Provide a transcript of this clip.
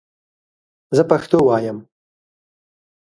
زه پښتو وایم